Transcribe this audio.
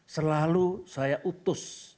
selalu saya utus